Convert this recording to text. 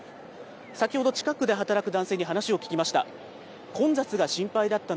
先ほど、近くで働く男性に話を聞きました。